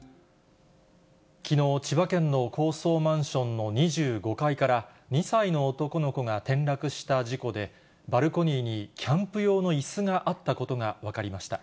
きのう、千葉県の高層マンションの２５階から、２歳の男の子が転落した事故で、バルコニーにキャンプ用のいすがあったことが分かりました。